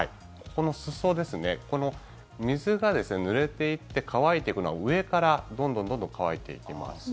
この裾ですねこの水がぬれていって乾いていくのは上からどんどんどんどん乾いていきます。